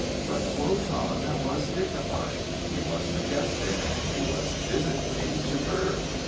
But Wotan was dignified, he was majestic, he was physically superb.